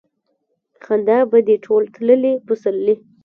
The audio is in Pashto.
خندا به دې ټول تللي پسرلي